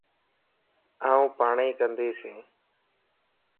آن پاڻئين ڪندياس